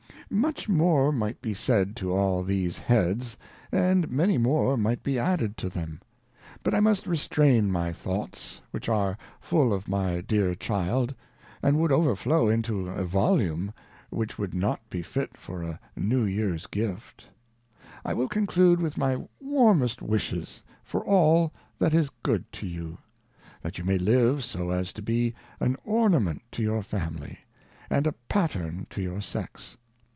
Much more might be said to all these Heads, and many more might be added to them. But I must restrain my Thoughts, which are full of my Dear Child, and would overflow into a Volume, which would not be fit for a New Years Gift. I will conclude with my warmest Wishes for all that is good to you. That you may live so as to be an Ornament to your Family, and a Pattern to your Sex.